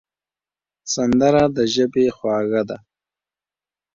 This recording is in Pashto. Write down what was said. سندره د ژبې خواږه ده